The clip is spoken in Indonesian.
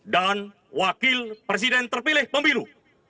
dan wakil presiden terpilih pemiru